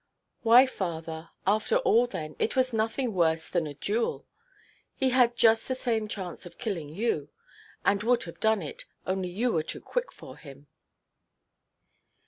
"Why, father, after all then, it was nothing worse than a duel. He had just the same chance of killing you, and would have done it, only you were too quick for him."